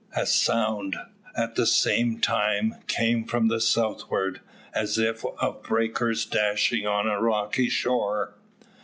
A sound, at the same time, came from the southward, as if of breakers dashing on a rocky shore.